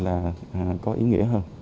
là có ý nghĩa hơn